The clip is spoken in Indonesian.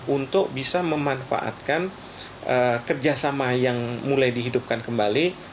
untuk bisa memanfaatkan kerjasama yang mulai dihidupkan kembali